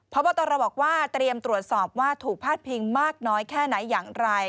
พบตรบอกว่าเตรียมตรวจสอบว่าถูกพาดพิงมากน้อยแค่ไหนอย่างไร